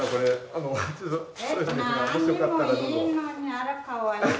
あらかわいい。